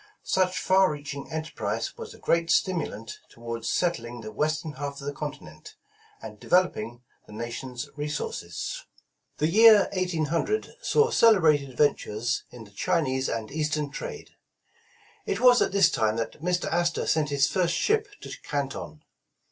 Such far reaching enterprise was a great stimulant toward settling the western half of the continent, and develop ing the nation's resources. The year 1800 saw celebrated ventures in the Chinese and Eastern trade. It was at this time that Mr. Astor sent his first ship to Canton.